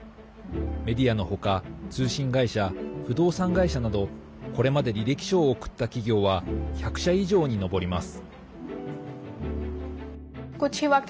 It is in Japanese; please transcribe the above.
メディアの他通信会社、不動産会社などこれまで履歴書を送った企業は１００社以上に上ります。